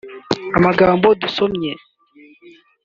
Amagambo dusomye